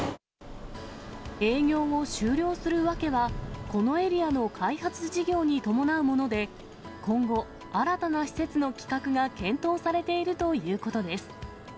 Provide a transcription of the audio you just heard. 営業を終了する訳は、このエリアの開発事業に伴うもので、今後、新たな施設の企画が検討されているということです。